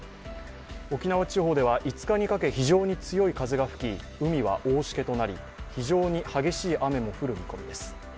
沖縄地方では５日にかけ非常に強い風が吹き海は大しけとなり非常に激しい雨も降る見込みです。